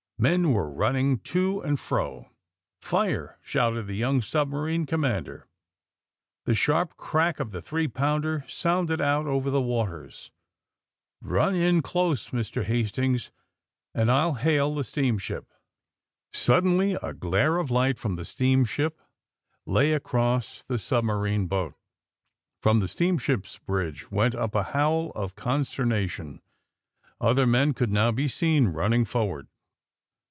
Men were running to and fro. Fire!" shouted the young submarine com mander. The sharp crack of the three pounder sounded out over the waters. *^Eun in close, Mr. Hastings, and I'll hail the steamship !'' 208 THE SUBMAEINE BOYS Suddenly a glare of light from the steamship lay across the submarine boat. From the steamship's bridge went up a howl of conster nation. Other men could now be seen running forward.